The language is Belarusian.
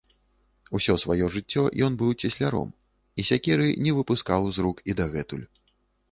Усё сваё жыццё ён быў цесляром і сякеры не выпускаў з рук і дагэтуль.